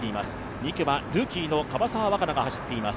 ２区はルーキーの樺沢和佳奈が走っています。